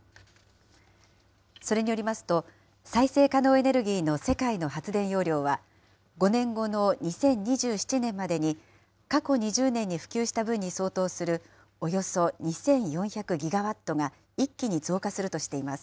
それによりますと、再生可能エネルギーの世界の発電容量は、５年後の２０２７年までに、過去２０年に普及した分に相当するおよそ２４００ギガワットが一気に増加するとしています。